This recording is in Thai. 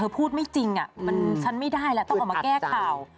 พูดไม่จริงฉันไม่ได้แล้วต้องออกมาแก้ข่าว